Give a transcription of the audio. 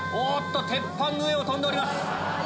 鉄板の上を飛んでおります。